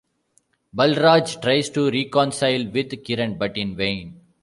Balraj tries to reconcile with Kiran, but in vain.